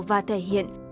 và thể hiện